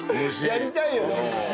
やりたいよね。